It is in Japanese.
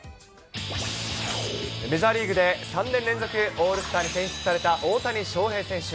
メジャーリーグで３年連続オールスターに選出された大谷翔平選手。